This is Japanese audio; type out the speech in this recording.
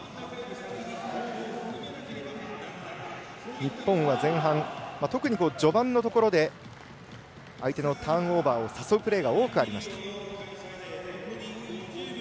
日本は前半、特に序盤のところで相手のターンオーバーを誘うプレーが多くありました。